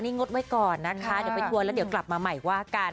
นี่งดไว้ก่อนนะคะเดี๋ยวไปทวนแล้วเดี๋ยวกลับมาใหม่ว่ากัน